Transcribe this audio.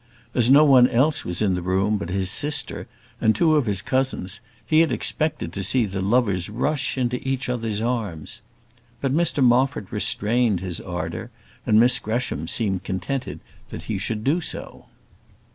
As no one else was in the room but his sister and two of his cousins, he had expected to see the lovers rush into each other's arms. But Mr Moffat restrained his ardour, and Miss Gresham seemed contented that he should do so.